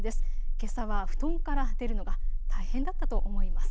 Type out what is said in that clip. けさは布団から出るのが大変だったと思います。